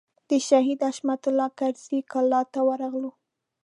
د شهید حشمت الله کرزي کلا ته ورغلو.